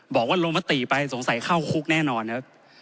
บอกว่าลงมติไปสงสัยเข้าคุกแน่นอนครับ